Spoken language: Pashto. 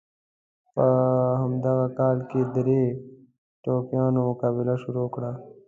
په همدغه کال کې دریو ټوکیانو مقابله شروع کړه.